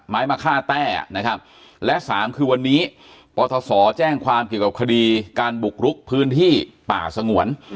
ไม้มะค่าแต้นะครับและสามคือวันนี้ปศแจ้งความเกี่ยวกับคดีการบุกรุกพื้นที่ป่าสงวน